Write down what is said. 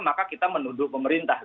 maka kita menuduh pemerintah